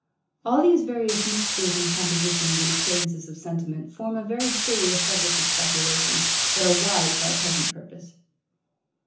All these various mixtures and compositions and appearances of sentiment from a very curious subject of speculation, but are wide for our present purpose.